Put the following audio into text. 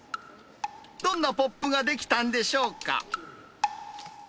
どんなＰＯＰが出来たんでしょうか。